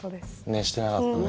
ねっしてなかったね。